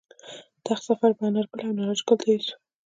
تخت سفر به انارګل او نارنج ګل ته یوسو